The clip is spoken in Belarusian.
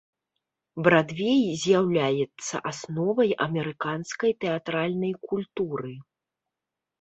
Брадвей з'яўляецца асновай амерыканскай тэатральнай культуры.